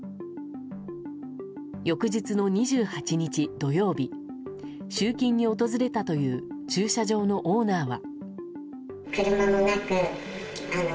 翌日の２８日、土曜日集金に訪れたという駐車場のオーナーは。